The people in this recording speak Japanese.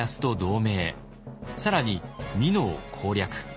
更に美濃を攻略。